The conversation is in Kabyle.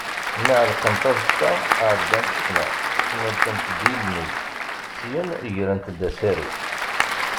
Mi ɛellqent aẓeṭṭa, ɛeddant snat sneltent-d ilni syen grent-d asaru.